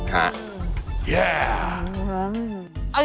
ครับ